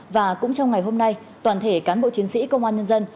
và cũng trong ngày hôm nay toàn thể cán bộ chiến sĩ công an nhân dân